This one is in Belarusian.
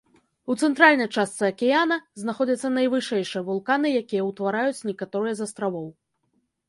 У цэнтральнай частцы акіяна знаходзяцца найвышэйшыя вулканы, якія ўтвараюць некаторыя з астравоў.